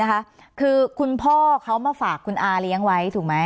คือคุณพ่อเขามาฝากคุณอาเลี้ยงไว้ถูกไหม